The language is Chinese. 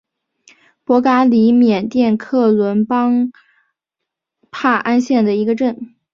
博嘎里缅甸克伦邦帕安县的一个镇。